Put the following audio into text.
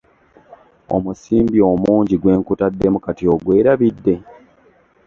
Omusimbi omungi gwe nkutaddemu kati ogwerabidde!